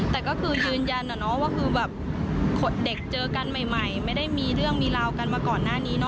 แต่ก็คือยืนยันอะเนาะว่าคือแบบเด็กเจอกันใหม่ไม่ได้มีเรื่องมีราวกันมาก่อนหน้านี้เนอ